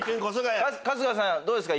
春日さんどうですか？